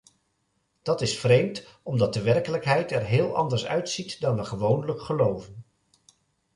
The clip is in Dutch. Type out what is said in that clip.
Dat is vreemd omdat de werkelijkheid er heel anders uitziet dan we gewoonlijk geloven.